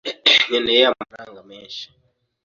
Nkeneye amafaranga menshi.